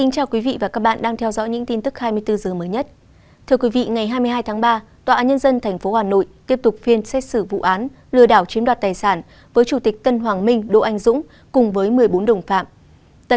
các bạn hãy đăng ký kênh để ủng hộ kênh của chúng mình nhé